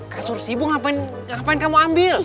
kasur si ibu ngapain kamu ambil